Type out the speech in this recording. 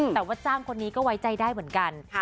แต่ว่าจ้างคนนี้ก็ไว้ใจได้เหมือนกัน